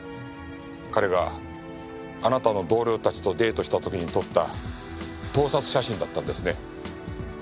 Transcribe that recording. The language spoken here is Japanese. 彼があなたの同僚たちとデートした時に撮った盗撮写真だったんですね。